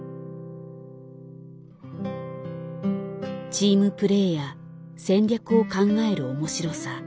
チームプレーや戦略を考えるおもしろさ。